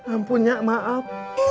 ampun ya maaf